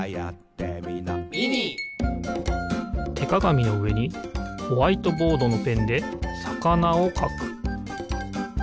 てかがみのうえにホワイトボードのペンでさかなをかく。